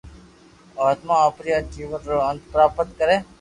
آتما آپري آ جيون رو انت پراپت ڪري